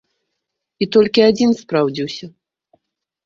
І толькі адзін спраўдзіўся.